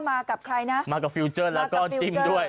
มากับใครนะมากับฟิลเจอร์แล้วก็จิ้มด้วย